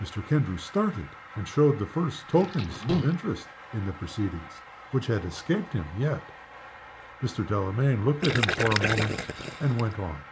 Mr. Kendrew started, and showed the first tokens of interest in the proceedings which had escaped him yet. Mr. Delamayn looked at him for a moment, and went on.